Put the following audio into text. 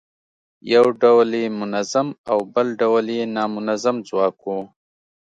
یو ډول یې منظم او بل ډول یې نامنظم ځواک و.